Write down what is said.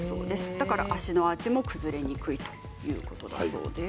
だから、足のアーチも崩れにくいということだそうです。